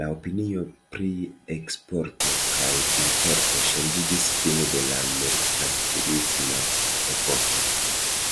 La opinio pri eksporto kaj importo ŝanĝiĝis fine de la merkantilisma epoko.